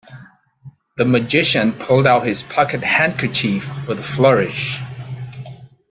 The magician pulled out his pocket handkerchief with a flourish.